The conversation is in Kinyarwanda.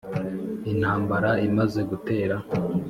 intambara imaze gutera,